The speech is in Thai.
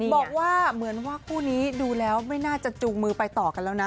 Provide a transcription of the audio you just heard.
บอกว่าเหมือนว่าคู่นี้ดูแล้วไม่น่าจะจูงมือไปต่อกันแล้วนะ